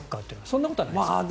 そんなことはないですか？